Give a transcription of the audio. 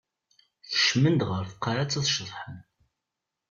Kecmen-d ɣer tqaɛett ad ceḍḥen.